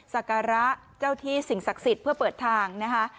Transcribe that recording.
สการะเจ้าที่สิ่งศักดิ์สิทธิ์เพื่อเปิดทางนะคะ